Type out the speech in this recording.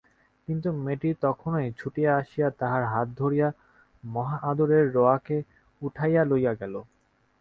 কিন্তু মেয়েটি তখনই ছুটিয়া আসিয়া তাহার হাত ধরিয়া মহা-আদরে রোয়াকে উঠাইয়া লইয়া গেল।